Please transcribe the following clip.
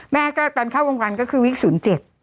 แม่ก็ตอนเข้าวงพันธุ์ก็คือวิกษศูนย์๗